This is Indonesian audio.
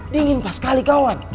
dingin pas sekali kawan